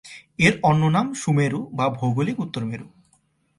এর অন্য নাম সুমেরু বা ভৌগোলিক উত্তর মেরু।